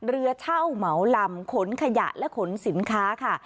เรือเช่าเหมาลำขนขยะและขนสินค้าค่ะ